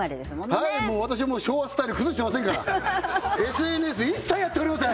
はいもう私は昭和スタイル崩してませんからＳＮＳ一切やっておりません！